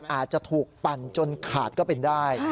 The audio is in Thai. อาจจะถูกปั่นจนขาดก็เป็นได้